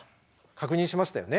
確認しましたよね。